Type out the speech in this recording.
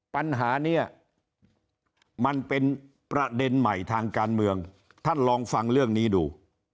ปัญหานี้มันเป็นประเด็นใหม่ทางการเมืองท่านลองฟังเรื่องนี้ดู